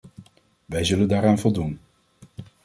Wij zullen daaraan voldoen.